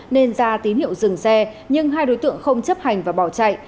nên ra tín hiệu dừng xe nhưng hai đối tượng không chấp hành và bỏ chạy